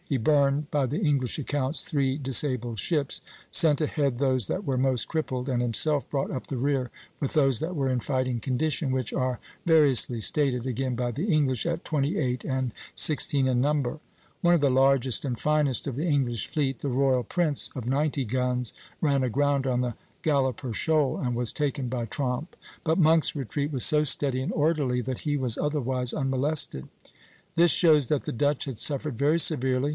He burned, by the English accounts, three disabled ships, sent ahead those that were most crippled, and himself brought up the rear with those that were in fighting condition, which are variously stated, again by the English, at twenty eight and sixteen in number (Plate II., June 13). One of the largest and finest of the English fleet, the "Royal Prince," of ninety guns, ran aground on the Galloper Shoal and was taken by Tromp (Plate II. a); but Monk's retreat was so steady and orderly that he was otherwise unmolested. This shows that the Dutch had suffered very severely.